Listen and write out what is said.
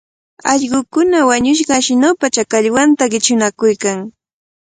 Allqukuna wañushqa ashnupa chakallwanta qichunakuykan.